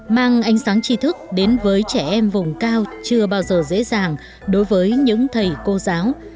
mang ánh sáng tri thức đến với trẻ em vùng cao chưa bao giờ dễ dàng đối với những thầy cô giáo